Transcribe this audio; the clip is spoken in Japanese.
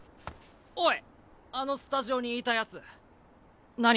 おいあのスタジオにいたヤツ何？